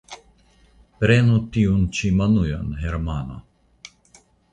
Prenu tiun ĉi monujon, Hermano.